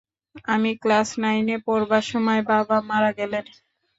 আমি ক্লাস নাইনে পড়বার সময় বাবা মারা গেলেন!